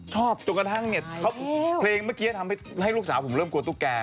จนกระทั่งเนี่ยเพลงเมื่อกี้ทำให้ลูกสาวผมเริ่มกลัวตุ๊กแก่